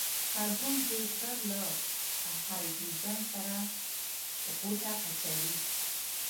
کاربن ډېر ژر له هايډروجن سره غوټه اچوي.